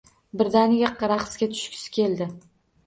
Birdaniga raqsga tushgisi keldi.